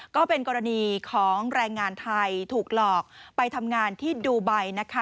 ก็เป็นกรณีของแรงงานไทยถูกหลอกไปทำงานที่ดูไบนะคะ